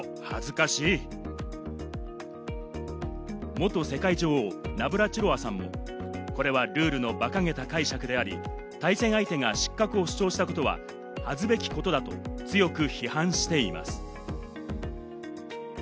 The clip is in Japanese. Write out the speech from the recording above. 元世界女王・ナブラチロワさんもこれはルールのバカげた解釈であり、対戦相手が失格を主張したことは、恥ずべきことだと、強く批判しています。